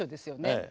ええ。